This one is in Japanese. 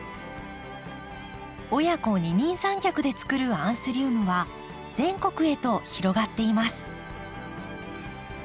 親子二人三脚でつくるアンスリウムは全国へと広がっています。